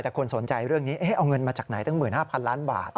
แต่คนสนใจเรื่องนี้เอาเงินมาจากไหนตั้ง๑๕๐๐ล้านบาท